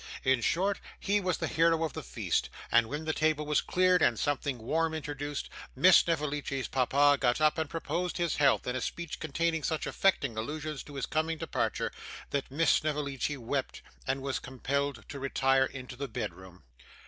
In short, he was the hero of the feast; and when the table was cleared and something warm introduced, Miss Snevellicci's papa got up and proposed his health in a speech containing such affecting allusions to his coming departure, that Miss Snevellicci wept, and was compelled to retire into the bedroom.